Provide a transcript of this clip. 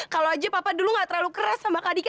kalau aja papa dulu nggak terlalu keras sama kadika